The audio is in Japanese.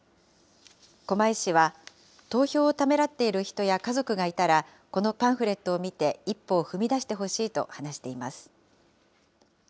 狛江市は、投票をためらっている人や家族がいたら、このパンフレットを見て、一歩を踏み出してほしいと話しています。